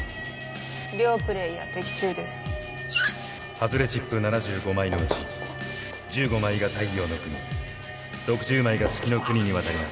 外れチップ７５枚のうち１５枚が太陽ノ国６０枚が月ノ国に渡ります。